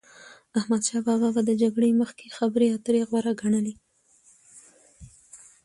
احمدشا بابا به د جګړی مخکي خبري اتري غوره ګڼلې.